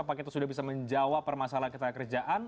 apakah itu sudah bisa menjawab permasalahan ketenaga kerjaan